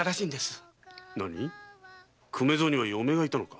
粂蔵には嫁がいたのか？